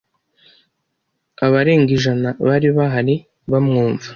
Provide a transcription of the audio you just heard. Abarenga ijana bari bahari bamwumva